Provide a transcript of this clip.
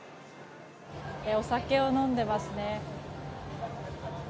お酒を飲んでいますね。